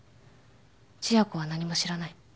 千夜子は何も知らない。